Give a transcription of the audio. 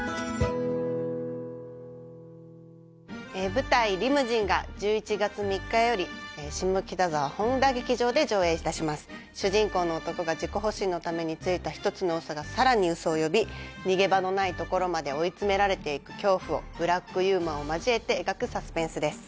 舞台「リムジン」が１１月３日より下北沢本多劇場で上演いたします主人公の男が自己保身のためについた一つの嘘がさらに嘘を呼び逃げ場のないところまで追い詰められていく恐怖をブラックユーモアを交えて描くサスペンスです